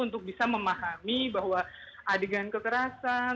untuk bisa memahami bahwa adegan kekerasan